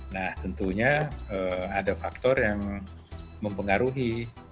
nah tentunya ada faktor yang mempengaruhi